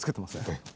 ええ。